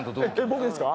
僕ですか？